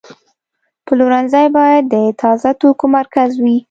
پلورنځی باید د تازه توکو مرکز وي.